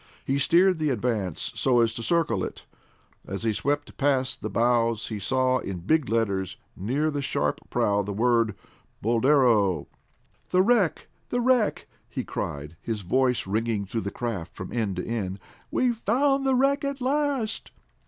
He steered the Advance so as to circle it. As he swept past the bows he saw in big letters near the sharp prow the word, Boldero. "The wreck! The wreck!" he cried, his voice ringing through the craft from end to end. "We've found the wreck at last!"